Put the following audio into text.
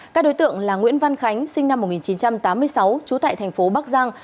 các đối tượng là nguyễn văn khánh sinh năm một nghìn chín trăm tám mươi sáu trú tại thành phố bắc giang